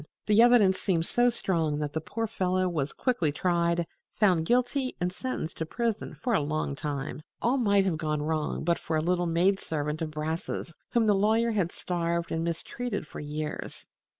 The evidence seemed so strong that the poor fellow was quickly tried, found guilty and sentenced to prison for a long time. All might have gone wrong but for a little maid servant of Brass's, whom the lawyer had starved and mistreated for years.